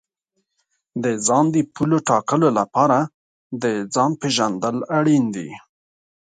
د ځان د پولو ټاکلو لپاره د ځان پېژندل اړین دي.